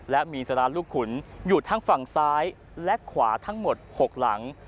และมีสาราลูกขุนอยู่ทั้งฝั่งซ้ายและขวาทั้งหมด๖หลัง